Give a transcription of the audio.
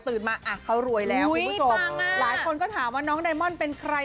มาเขารวยแล้วคุณผู้ชมหลายคนก็ถามว่าน้องไดมอนเป็นใคร